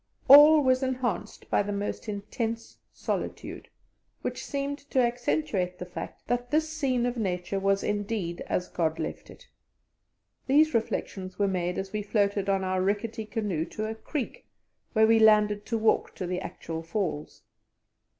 All was enhanced by the most intense solitude, which seemed to accentuate the fact that this scene of Nature was indeed as God left it. These reflections were made as we floated on in our rickety canoe to a creek, where we landed to walk to the actual Falls.